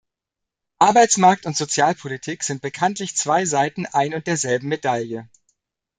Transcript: Arbeitsmarkt und Sozialpolitik sind bekanntlich zwei Seiten ein und derselben Medaille.